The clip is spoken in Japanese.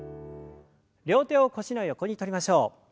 両手を腰の横にとりましょう。